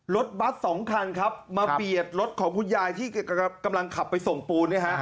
รถบัส๒คันครับมาเบียดรถของคุณยายที่กำลังขับไปส่งปูน